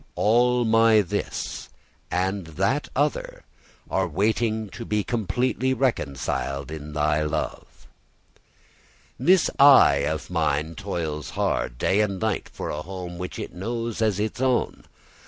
All my this, and that other, are waiting to be completely reconciled in thy love. This "I" of mine toils hard, day and night, for a home which it knows as its own.